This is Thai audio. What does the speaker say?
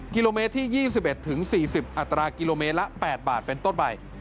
กิโลเมตรที่๒๑๔๐อัตรากิโลเมตรละ๘บาทเป็นต้นใบ